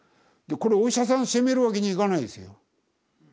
これお医者さん責めるわけにいかないですよ。